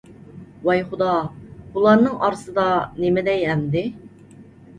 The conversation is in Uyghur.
ۋاي خۇدا، بۇلارنىڭ ئارىسىدا نېمە دەي ئەمدى؟ !